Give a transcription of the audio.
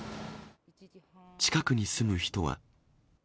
近くに住む人は。